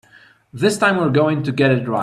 This time we're going to get it right.